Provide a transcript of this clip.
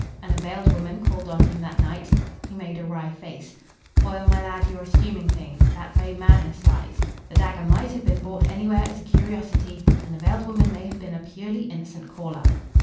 And a veiled woman called on him that night" he made a wry face. "Foyle, my lad, you're assuming things. That way madness lies. The dagger might have been bought anywhere as a curiosity, and the veiled woman may have been a purely innocent caller."